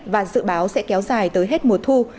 và dự báo sẽ kéo dài tới hết mùa thu